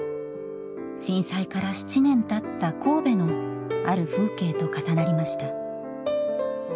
震災から７年たった神戸のある風景と重なりました。